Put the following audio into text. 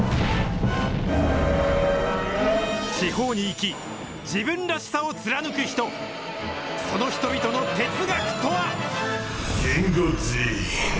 地方に生き、自分らしさを貫く人、その人々の哲学とは。